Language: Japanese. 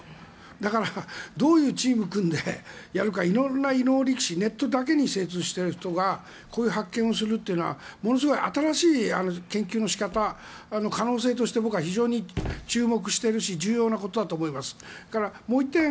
だからどういうチームを組んでやるかいろんなネットだけに長けているｔ人とかがこういう発見をするのは新しい研究の仕方可能性としては非常に注目しているし重要なことだと思います。